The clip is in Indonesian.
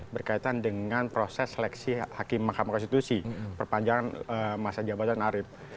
berkaitan dengan proses seleksi hakim mahkamah konstitusi perpanjangan masa jabatan arief